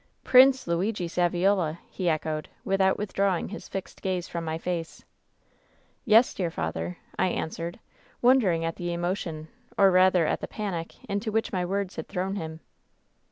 "'Prince Luigi Saviola!' he echoed, without with drawing his fi^ed gaze from my face. " 'Yes, dear father,' I answered, wondering at the emotion, or rather at the panic, into which my words had thrown him.